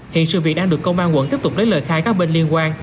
hiện sự việc đang được công an quận tiếp tục lấy lời khai các bên liên quan